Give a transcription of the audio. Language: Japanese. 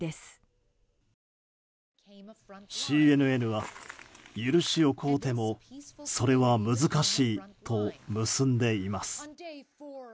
ＣＮＮは、許しを乞うてもそれは難しいと結んでいます。